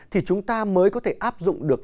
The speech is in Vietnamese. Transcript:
thì chúng ta mới có thể áp dụng được